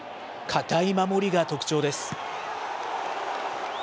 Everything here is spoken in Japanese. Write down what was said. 堅い守りが特徴です。